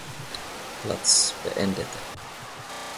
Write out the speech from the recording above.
Platz beendete.